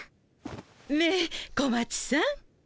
ねえ小町さん。